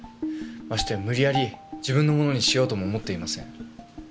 ましてや無理やり自分のものにしようとも思っていません。